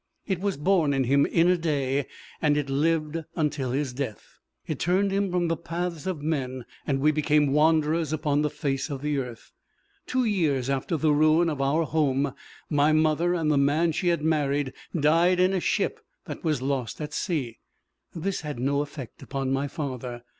It was born in him in a day, and it lived until his death. It turned him from the paths of men, and we became wanderers upon the face of the earth. Two years after the ruin of our home my mother and the man she had married died in a ship that was lost at sea. This had no effect upon my father.